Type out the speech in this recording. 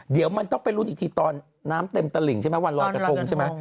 เดี๋ยวมันต้องเป็นรุ่นอีกทีตอนน้ำเต็มตะหลิงวันรอยกระทง